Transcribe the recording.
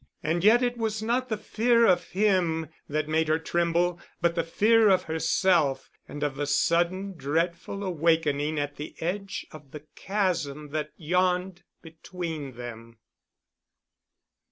And yet it was not the fear of him that made her tremble, but the fear of herself and of the sudden dreadful awakening at the edge of the chasm that yawned between them.